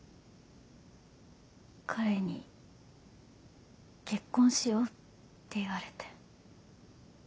彼に「結婚しよう」って言われて。